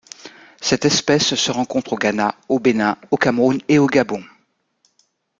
Cette espèce se rencontre au Ghana, au Bénin, au Cameroun et au Gabon.